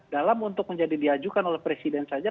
dalam untuk menjadi diajukan oleh presiden saja